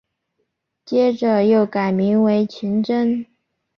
接着又改名为晴贞。